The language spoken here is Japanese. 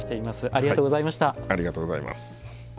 ありがとうございます。